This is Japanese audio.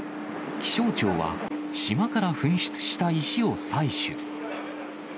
気象庁は、島から噴出した石を採取。